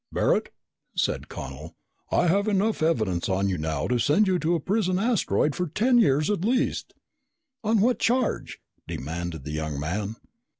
"Barret," said Connel, "I have enough evidence on you now to send you to a prison asteroid for ten years at least!" "On what charge?" demanded the young man.